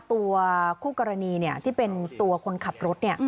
ตัวคู่กรณีที่เป็นตัวคนขับรถ